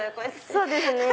そうですね。